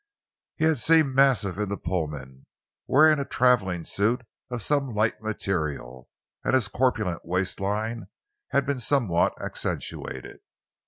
He had seemed massive in the Pullman, wearing a traveling suit of some light material, and his corpulent waist line had been somewhat accentuated.